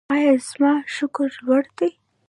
ایا زما شکر لوړ دی؟